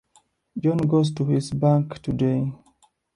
John goes to his bank today.